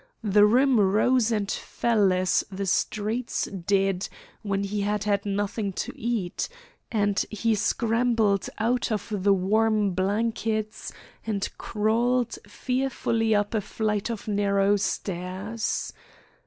The room rose and fell as the streets did when he had had nothing to eat, and he scrambled out of the warm blankets and crawled fearfully up a flight of narrow stairs.